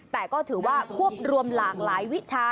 แต่ก็ถือว่าควบรวมหลากหลายวิชา